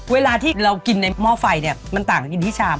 เวลาที่เรากินในหม้อไฟเนี่ยมันต่างกินที่ชาม